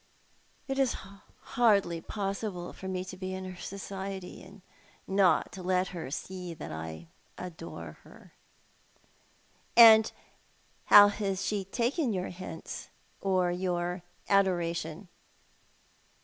It has been hardly possible for me to be in her society, and not let her see that I adore her." "And how has she taken your hints, or your adoration